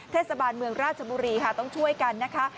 เทศบาลเมืองราชบุรีค่ะต้องช่วยกันนะคะ